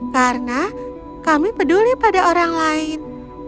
karena kami peduli pada orang lain